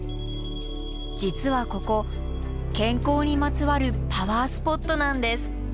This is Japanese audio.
実はここ健康にまつわるパワースポットなんです。